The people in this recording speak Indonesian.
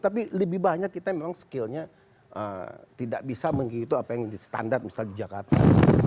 tapi lebih banyak kita memang skillnya tidak bisa menghitung apa yang di standar misalnya di jakarta